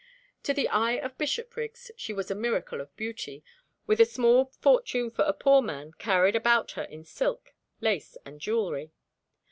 To the eye of Bishopriggs, she was a miracle of beauty, with a small fortune for a poor man carried about her in silk, lace, and jewelry.